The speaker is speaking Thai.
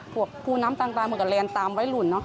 พวกผู้น้ำต่างเหมือนกับแรนตามวัยรุ่น